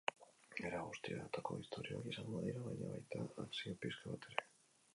Era guztietako istorioak izango dira, baina baita akzio pixka bat ere.